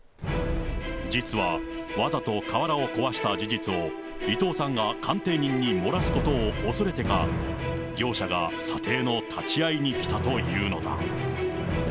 実は、わざと瓦を壊した事実を伊藤さんが鑑定人に漏らすことを恐れてか、業者が査定の立ち会いに来たというのだ。